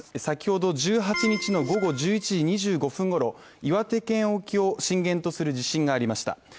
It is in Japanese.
先ほど１８日の午後１１時２５分ごろ、岩手県沖を震源とする地震がありました。